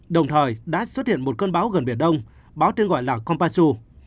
đồng thời đã xuất hiện một cơn bão gần biển đông báo tên gọi là kompasu